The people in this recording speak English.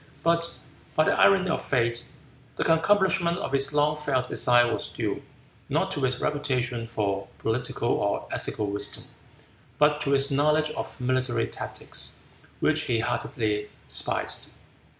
But, by the irony of fate, the accomplishment of his long felt desire was due, not to his reputation for political or ethical wisdom, but to his knowledge of military tactics, which he heartily despised.